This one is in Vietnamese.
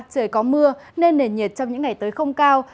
trời có mưa nên nền nhiệt trong những ngày tới không cao